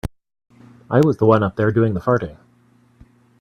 I was the one up there doing the farting.